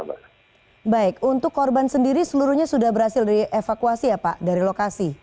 baik untuk korban sendiri seluruhnya sudah berhasil dievakuasi ya pak dari lokasi